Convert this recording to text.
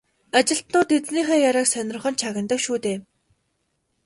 Ажилтнууд эзнийхээ яриаг сонирхон чагнадаг шүү дээ.